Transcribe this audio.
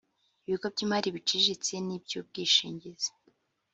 ibigo by’imari biciriritse n’iby’ubwishingizi